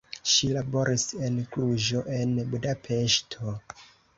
Ŝi laboris en Kluĵo, en Budapeŝto.